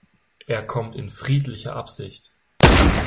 Er kommt in friedlicher Absicht.